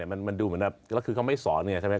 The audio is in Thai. มันดูเหมือนแบบแล้วคือเขาไม่สอนไงใช่ไหม